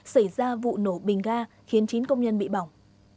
xảy ra vụ nổ bình ga khiến chín công nhân bị bỏng